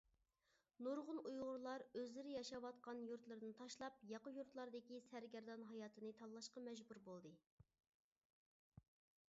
نۇرغۇن ئۇيغۇرلار ئۆزلىرى ياشاۋاتقان يۇرتلىرىنى تاشلاپ ياقا يۇرتلاردىكى سەرگەردان ھاياتنى تاللاشقا مەجبۇر بولدى.